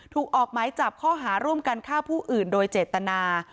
ออกหมายจับข้อหาร่วมกันฆ่าผู้อื่นโดยเจตนา